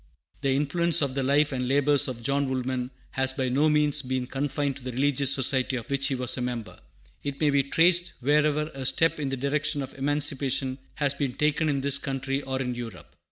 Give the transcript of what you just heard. The influence of the life and labors of John Woolman has by no means been confined to the religious society of which he was a member. It may be traced wherever a step in the direction of emancipation has been taken in this country or in Europe.